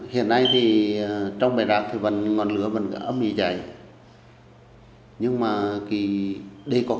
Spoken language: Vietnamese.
huyện đắc lao huyện đắc minh tỉnh đắc nông